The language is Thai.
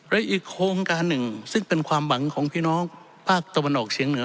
และอีกโครงการหนึ่งซึ่งเป็นความหวังของพี่น้องภาคตะวันออกเฉียงเหนือ